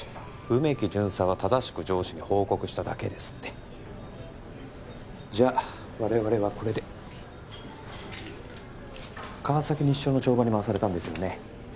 梅木巡査は正しく上司に報告しただけですってじゃあ我々はこれで川崎西署の帳場に回されたんですよね